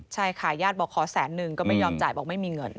ใช่ค่ะญาติบอกขอแสนนึงก็ไม่ยอมจ่ายบอกไม่มีเงิน